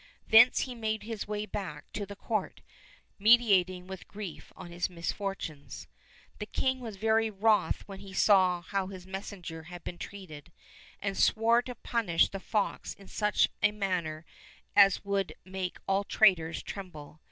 Thence he made his way back to the court, meditating with grief on his misfortunes. The king was very wroth when he saw how his messenger had been treated, and swore to punish the fox in such a manner as would make all traitors tremble.